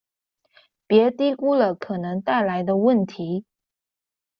別低估了可能帶來的問題